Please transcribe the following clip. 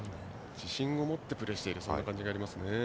自信を持ってプレーしている感じがありますね。